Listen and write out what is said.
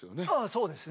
そうですね